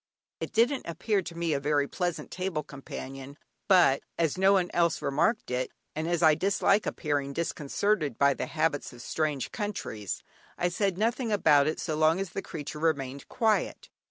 It didn't appear to me a very pleasant table companion, but as no one else remarked it, and as I dislike appearing disconcerted by the habits of strange countries, I said nothing about it so long as the creature remained quiet.